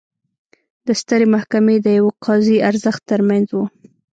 د سترې محکمې د یوه قاضي ارزښت ترمنځ و.